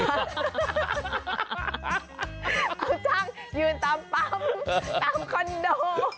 เขาจ้างยืนตามปั๊มตามคอนโด